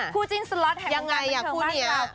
คู่จิ้นสล็อตแห่งโรงการบันเทิงบ้านราว